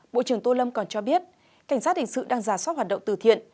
bộ trưởng tô lâm còn cho biết cảnh sát hình sự đang giả soát hoạt động từ thiện